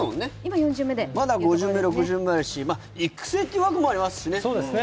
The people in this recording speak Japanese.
まだ５巡目、６巡目あるし育成枠もありますしね。